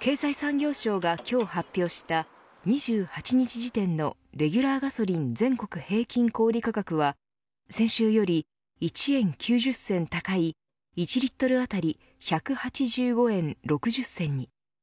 経済産業省が今日発表した２８日時点のレギュラーガソリン全国平均小売価格は先週より１円９０銭高い１リットル当たり１８５円６０銭に。